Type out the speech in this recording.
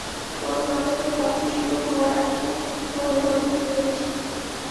তোর জন্মদিনের পার্টি শুরু হওয়ার আগে, চল গুহা থেকে ঘুরে আসি।